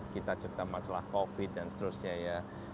kita cipta masalah covid dan seterusnya ya